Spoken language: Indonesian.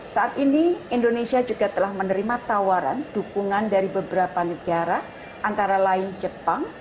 saat ini indonesia juga telah menerima tawaran dukungan dari beberapa negara antara lain jepang